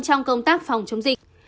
trong công tác phòng chống dịch